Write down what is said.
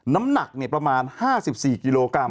น้ำหนักประมาณ๕๔กิโลกรัม